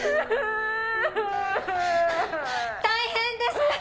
大変です！